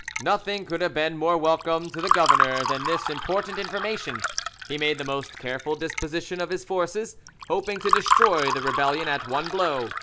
Nothing could have been more welcome to the governor than this important information: he made the most careful disposition of his forces, hoping to destroy the rebellion at one blow.